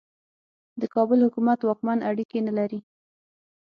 د کابل حکومت واکمن اړیکې نه لري.